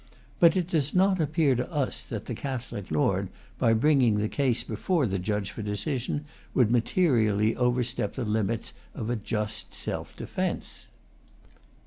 But it does not appear to us that the Catholic lord, by bringing the case before the judge for decision, would materially overstep the limits of a just self defence.